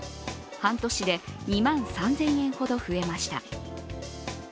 半年で２万３０００円ほど増えました。